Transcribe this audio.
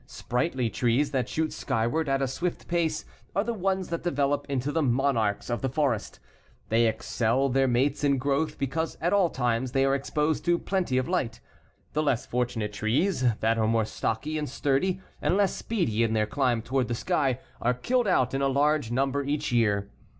Sprightly trees that shoot skyward at a swift pace are the ones that develop into the monarchs of the forest. They excel their mates in growth because at all times they are exposed to plenty of light. The less fortunate trees, that are more stocky and sturdy, and less speedy in their climb toward the sky, are killed out in large numbers each year.